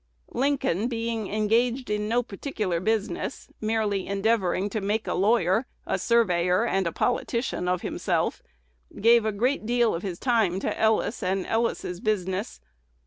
Lincoln, being "engaged in no particular business," merely endeavoring to make a lawyer, a surveyor, and a politician of himself, gave a great deal of his time to Ellis and Ellis's business.